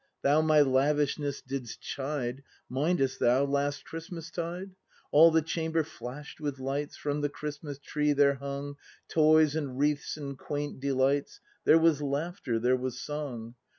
Thou my lavishness didst chide, Mindest thou, last Christmastide ? All the chamber flash'd with lights. From the Christmas tree there hung Toys and wreaths and quaint delights; There was laughter, there was song.